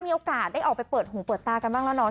มีโอกาสได้ออกไปเปิดหูเปิดตากันบ้างแล้วเนาะ